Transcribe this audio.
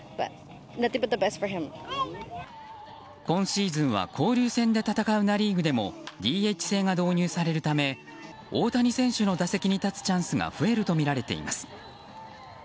今シーズンは交流戦で戦うナ・リーグでもＤＨ制が導入されるため大谷選手の打席に立つチャンスが増えるとみられています。